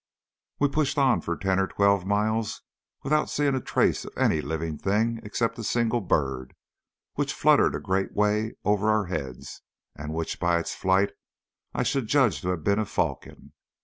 We pushed on for ten or twelve miles without seeing a trace of any living thing except a single bird, which fluttered a great way over our heads, and which by its flight I should judge to have been a falcon.